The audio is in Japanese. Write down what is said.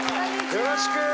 よろしく！